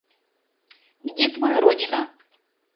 Где твой Родина?